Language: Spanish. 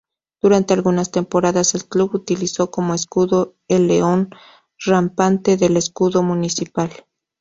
Durante algunas temporadas, el club utilizó como escudo el león rampante del escudo municipal.